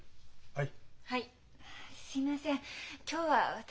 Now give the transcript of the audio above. はい。